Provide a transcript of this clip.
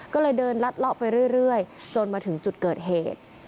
ก็เลยเดินลัดเลาะไปเรื่อยจนมาถึงจุดเกิดเหตุ